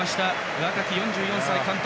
若き４４歳の監督